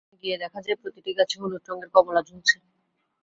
সম্প্রতি সেখানে গিয়ে দেখা যায়, প্রতিটি গাছে হলুদ রঙের কমলা ঝুলছে।